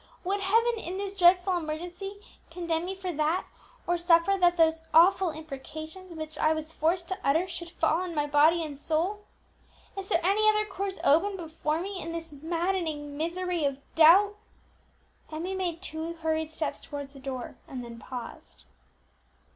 Would Heaven, in this dreadful emergency, condemn me for that, or suffer that those awful imprecations which I was forced to utter should fall on my body and soul? Is there any other course open before me in this maddening misery of doubt?" Emmie made two hurried steps towards the door, and then paused.